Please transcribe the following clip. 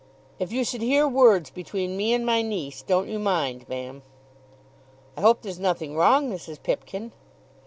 "If you should hear words between me and my niece, don't you mind, ma'am." "I hope there's nothing wrong, Mrs. Pipkin?"